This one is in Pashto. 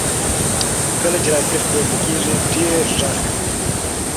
کله چې راکټ پورته کیږي ډېر غږ کوي.